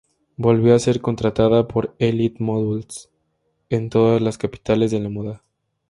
Volvió a ser contratada por Elite Models en todas las capitales de la moda.